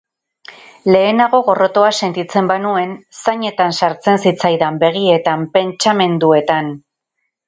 Lehenago, gorrotoa sentitzen banuen, zainetan sartzen zitzaidan, begietan, pentsamenduetan.